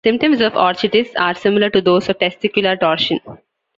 Symptoms of orchitis are similar to those of testicular torsion.